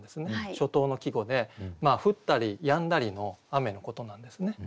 初冬の季語で降ったりやんだりの雨のことなんですね。